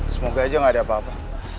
semoga aja gak ada apa apa